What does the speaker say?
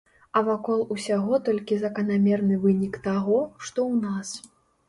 А вакол усяго толькі заканамерны вынік таго, што ў нас.